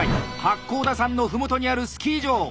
八甲田山の麓にあるスキー場。